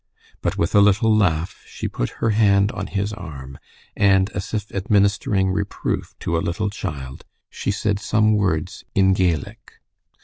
But with a little laugh she put her hand on his arm, and as if administering reproof to a little child, she said some words in Gaelic.